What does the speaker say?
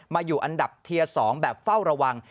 อยู่อันดับเทียร์๒แบบเฝ้าระวัง